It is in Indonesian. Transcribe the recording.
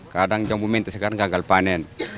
kadang jambu mente sekarang gagal panen